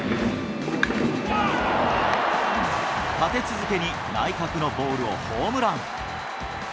立て続けに内角のボールをホームラン。